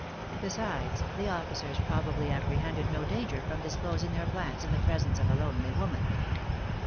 Besides, the officers probably apprehended no danger from disclosing their plans in the presence of a lonely woman.